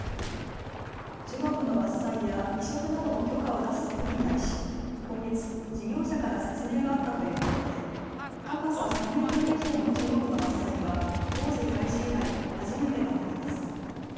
樹木の伐採や移植などの許可を出す区に対し今月、事業者から説明があったということで高さ３メートル以上の樹木の伐採は工事開始以来、初めてとなります。